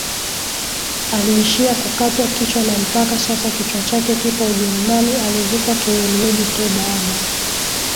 aliishia kukatwa kichwa na mpaka sasa kichwa chake kipo ujerumani alizikwa kiwiliwili tuu baada